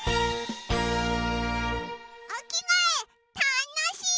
おきがえたのしい！